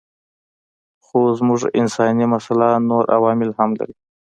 خو زموږ انساني مساله نور عوامل هم لري.